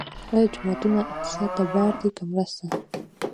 آیا جوماتونه اقتصاد ته بار دي که مرسته؟